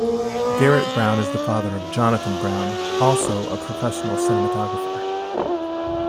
Garrett Brown is the father of Jonathan Brown, also a professional cinematographer.